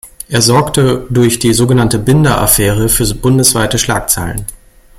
Er sorgte durch die sogenannte "Binder-Affäre" für bundesweite Schlagzeilen.